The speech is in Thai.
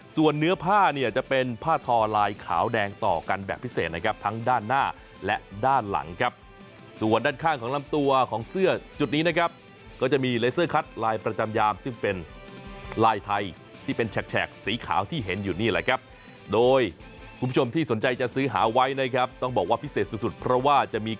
ส่วนเนื้อผ้าเนี่ยจะเป็นผ้าทอลายขาวแดงต่อกันแบบพิเศษนะครับทั้งด้านหน้าและด้านหลังครับส่วนด้านข้างของลำตัวของเสื้อจุดนี้นะครับก็จะมีเลเซอร์คัดลายประจำยามซึ่งเป็นลายไทยที่เป็นแฉกสีขาวที่เห็นอยู่นี่แหละครับโดยคุณผู้ชมที่สนใจจะซื้อหาไว้นะครับต้องบอกว่าพิเศษสุดสุดเพราะว่าจะมี